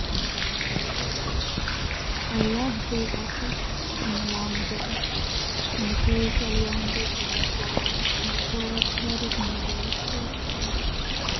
XXIII I loved thee, Atthis, in the long ago, When the great oleanders were in flower In the broad herded meadows full of sun.